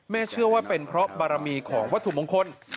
เชื่อว่าเป็นเพราะบารมีของวัตถุมงคล